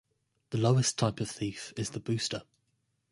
The lowest type of thief is the booster.